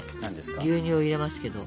牛乳を入れますけど。